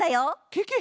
ケケ！